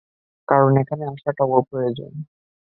কারন এখানে আসাটা, ওর প্রয়োজন।